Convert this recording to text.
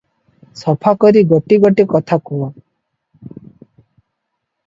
ସଫା କରି ଗୋଟି ଗୋଟି କଥା କହୁ ।